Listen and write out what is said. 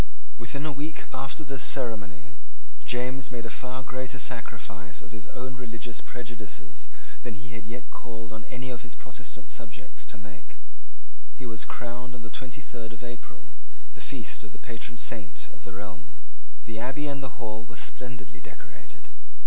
Within a week after this ceremony James made a far greater sacrifice of his own religious prejudices than he had yet called on any of his Protestant subjects to make. He was crowned on the twenty third of April, the feast of the patron saint of the realm. The Abbey and the Hall were splendidly decorated.